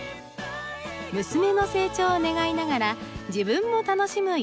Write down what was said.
娘の成長を願いながら自分も楽しむ野菜作り。